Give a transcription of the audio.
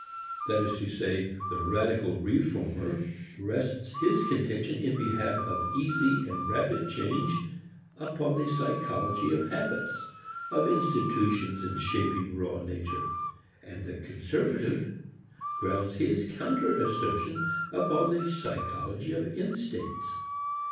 That is to say, the radical reformer rests his contention in behalf of easy and rapid change upon the psychology of habits, of institutions in shaping raw nature, and the conservative grounds his counter assertion upon the psychology of instincts.